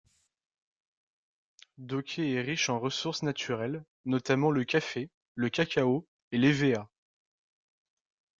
Doké est riche en ressources naturelles, notamment le café, le cacao et l'hévéa.